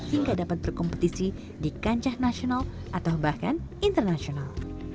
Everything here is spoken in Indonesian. hingga dapat berkompetisi di kancah nasional atau bahkan internasional